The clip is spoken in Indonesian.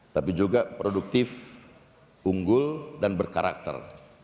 tapi juga produktif unggul dan berkarakter